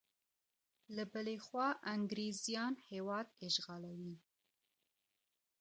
له بلې خوا انګریزیان هیواد اشغالوي.